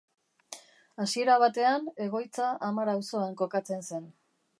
Hasiera batean egoitza Amara auzoan kokatzen zen.